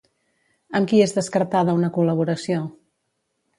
Amb qui és descartada una col·laboració?